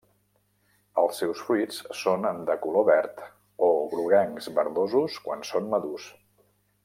Els seus fruits són de color verd o groguencs verdosos quan són madurs.